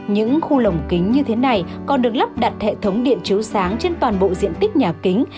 những khu lồng kính như thế này còn được lắp đặt hệ thống điện chiếu sáng trên toàn bộ diện tích nhà kính